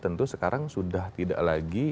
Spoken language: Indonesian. tentu sekarang sudah tidak lagi